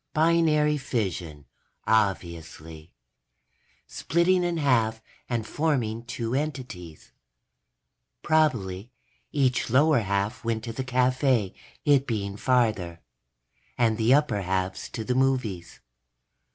_ Binary fission, obviously. Splitting in half and forming two entities. Probably each lower half went to the cafe, it being farther, and the upper halves to the movies.